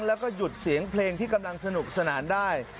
แล้วก็หยุดเสียงเพลงที่กำลังสนุกสนานได้